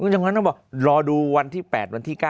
ตอนนั้นเขาบอกรอดูวันที่๘ที่๙